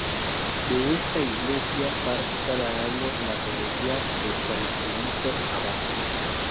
De esta iglesia parte cada año la Romería de San Benito Abad.